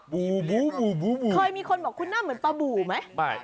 บูบูบูบูบูเคยมีคนบอกคุณหน้าเหมือนปลาบูไหมไม่